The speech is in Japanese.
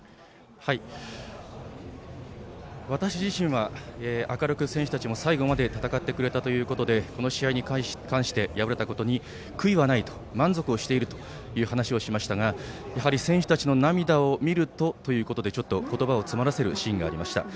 私自身は、明るく選手たちも最後まで戦ってくれたということでこの試合に関して敗れたことに悔いはないと満足をしているという話をしていましたがやはり選手たちの涙を見るとということでちょっと言葉を詰まらせるシーンがありました。